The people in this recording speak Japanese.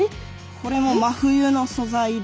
これも真冬の素材で。